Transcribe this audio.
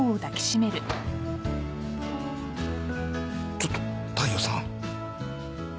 ちょっと大陽さん？